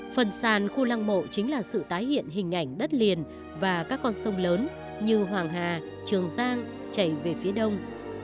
phần sàn khu lăng mộ chính là sự tái hiện hình ảnh đất liền và các con sông lớn như hoàng hà trường giang chảy về phía đông